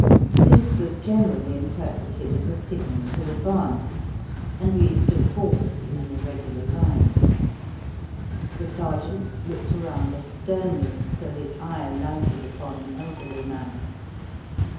This was generally interpreted as a signal to advance, and we stood forward in an irregular line. The sergeant looked around us sternly till his eye lighted upon the elderly man.